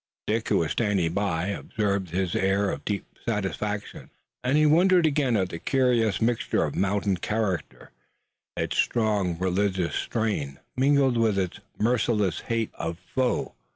Dick, who was standing by, observed his air of deep satisfaction, and he wondered again at the curious mixture of mountain character, its strong religious strain, mingled with its merciless hatred of a foe.